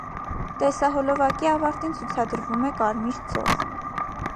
Տեսահոլովակի ավարտին ցուցադրվում է կարմիր ծով։